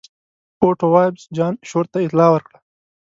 اوټوایفز جان شور ته اطلاع ورکړه.